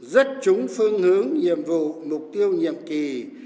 rất trúng phương hướng nhiệm vụ mục tiêu nhiệm kỳ